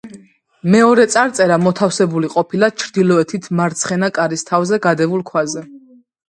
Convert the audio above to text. მეორე წარწერა მოთავსებული ყოფილა ჩრდილოეთით მარცხენა კარის თავზე გადებულ ქვაზე.